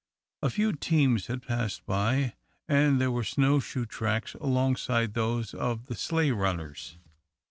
A few teams had passed by, and there were snow shoe tracks alongside those of the sleigh runners.